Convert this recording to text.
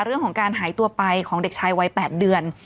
เรื่องของการหายตัวไปของเด็กชายวัย๘เดือน